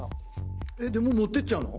でもう持ってっちゃうの？